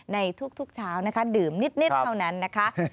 ในทุกเช้านะคะดื่มนิดเท่านั้นนะคะ